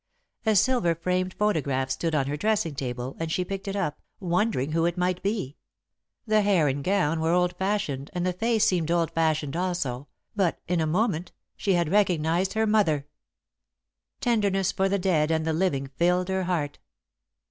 A silver framed photograph stood on her dressing table, and she picked it up, wondering who it might be. The hair and gown were old fashioned, and the face seemed old fashioned also, but, in a moment, she had recognised her mother. [Sidenote: The Newcomer in Green] Tenderness for the dead and the living filled her heart.